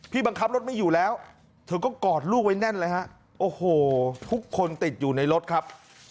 บังคับรถไม่อยู่แล้วเธอก็กอดลูกไว้แน่นเลยฮะโอ้โหทุกคนติดอยู่ในรถครับ